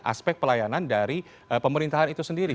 aspek pelayanan dari pemerintahan itu sendiri